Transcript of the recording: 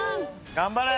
・頑張れ！